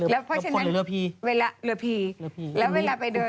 แล้วคนเรือพีเรือพีแล้วเวลาไปเดิน